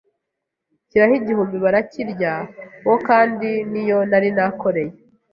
nshyiraho igihumbibarakirya, wo kandi niyo nari nakoreye